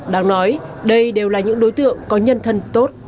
đáng nói đây đều là những đối tượng có nhân thân tốt